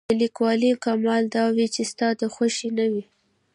د لیکوالۍ کمال دا وي چې ستا د خوښې نه وي.